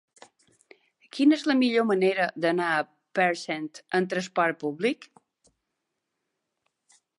Quina és la millor manera d'anar a Parcent amb transport públic?